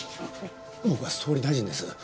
僕は総理大臣です。